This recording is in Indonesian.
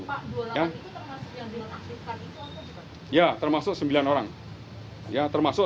pak dua puluh delapan itu termasuk yang dilaksanakan itu apa juga